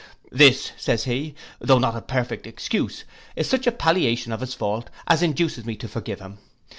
'This,' says he, 'though not a perfect excuse, is such a palliation of his fault, as induces me to forgive him.